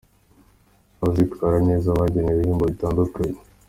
Abazitwara neza bagenewe ibihembo bitandukanye!.